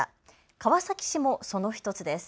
川崎市もその１つです。